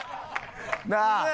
なあ！